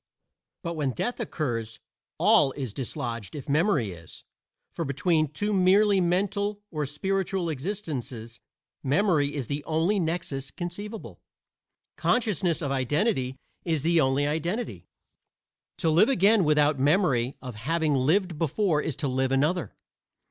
But when death occurs all is dislodged if memory is; for between two merely mental or spiritual existences memory is the only nexus conceivable; consciousness of identity is the only identity. To live again without memory of having lived before is to live another.